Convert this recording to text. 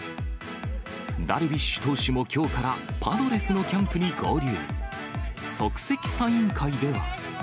ダルビッシュ投手もきょうからパドレスのキャンプに合流。